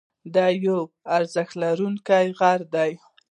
دا یو اورښیندونکی غر دی.